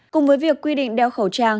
cùng với việc quy định đeo khẩu trang